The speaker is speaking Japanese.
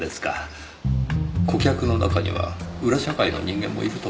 顧客の中には裏社会の人間もいるとか。